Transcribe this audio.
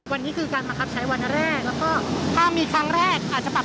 วันนี้คือการบังคับใช้วันแรกแล้วก็ถ้ามีครั้งแรกอาจจะปรับ